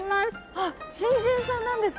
あっ新人さんなんですか？